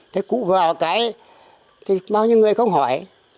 thế cũng vào cái thì bao nhiêu người không hỏi